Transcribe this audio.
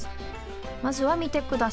まずはみてください！